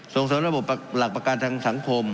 ส่งเสริมระบบหลักประกันทางสังคม